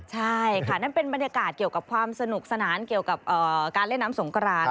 ใช่ค่ะนั่นเป็นบรรยากาศเกี่ยวกับความสนุกสนานเกี่ยวกับการเล่นน้ำสงกราน